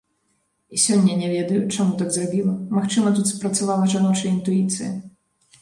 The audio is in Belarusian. І сёння не ведаю, чаму так зрабіла, магчыма, тут спрацавала жаночая інтуіцыя.